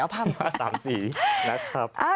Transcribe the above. ผ้าสามสี่นะครับ